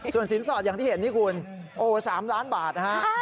ส่วนสินสอดอย่างที่เห็นนี่คุณโอ้๓ล้านบาทนะฮะ